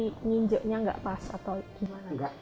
ini nginjeknya nggak pas atau gimana